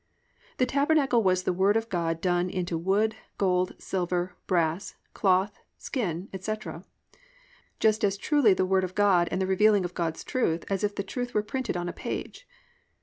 The tabernacle was the Word of God done into wood, gold, silver, brass, cloth, skin, etc., just as truly the Word of God and the revealing of God's truth as if the truth were printed on a page.